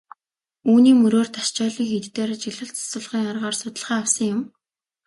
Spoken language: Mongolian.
Үүний мөрөөр Дашчойлин хийд дээр ажиглалт асуулгын аргаар судалгаа авсан юм.